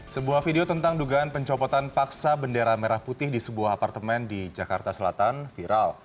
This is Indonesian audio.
sebuah video tentang dugaan pencopotan paksa bendera merah putih di sebuah apartemen di jakarta selatan viral